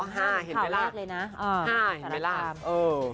๕เห็นไหมล่ะเออ